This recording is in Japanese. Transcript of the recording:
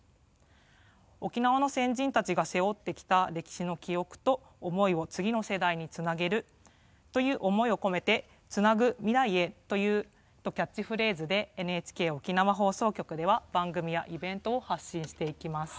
沖縄の先人たちが背負ってきた歴史の記憶と思いを次の世代につなげるという思いを込めて「つなぐ未来へ」というキャッチフレーズでＮＨＫ沖縄放送局では、番組やイベントを発信していきます。